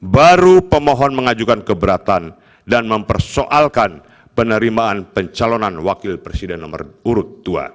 baru pemohon mengajukan keberatan dan mempersoalkan penerimaan pencalonan wakil presiden nomor urut dua